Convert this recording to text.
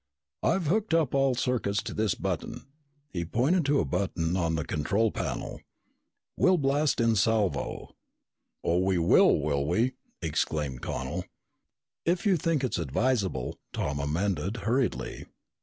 "I've hooked up all circuits to this button." He pointed to a button on the control panel. "We'll blast in salvo." "Oh, we will, will we?" exclaimed Connel. "If you think it's advisable," Tom amended hurriedly.